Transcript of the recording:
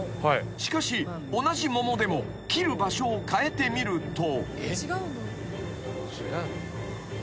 ［しかし同じ桃でも切る場所を変えてみると］